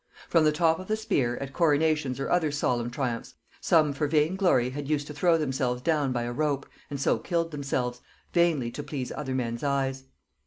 From the top of the spire, at coronations or other solemn triumphs, some for vain glory had used to throw themselves down by a rope, and so killed themselves, vainly to please other men's eyes.